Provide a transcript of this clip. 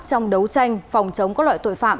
trong đấu tranh phòng chống các loại tội phạm